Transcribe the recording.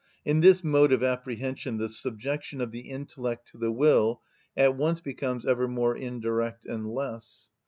In this mode of apprehension the subjection of the intellect to the will at once becomes ever more indirect and less.